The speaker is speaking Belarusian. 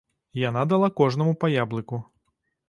Яна дала кожнаму па яблыку.